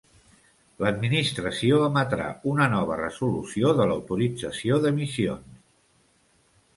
L'administració emetrà una nova resolució de l'autorització d'emissions.